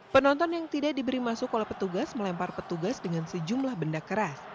penonton yang tidak diberi masuk oleh petugas melempar petugas dengan sejumlah benda keras